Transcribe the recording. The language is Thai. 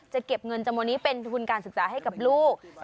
จะเก็บเงินจำนวนนี้เป็นทุนการศึกษาให้กับลูก